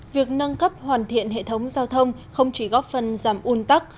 việc nâng cấp hoàn thiện hệ thống giao thông không chỉ góp phần giảm un tắc